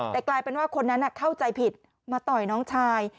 แต่กลายเป็นว่าคนนั้นเข้าใจผิดมาต่อยน้องชาย